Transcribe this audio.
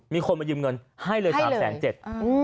มีคนมายืมเงินให้เลย๓แสนเจ็ด